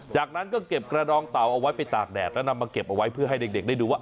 จากนั้นก็เก็บกระดองเต่าเอาไว้ไปตากแดดแล้วนำมาเก็บเอาไว้เพื่อให้เด็กได้ดูว่า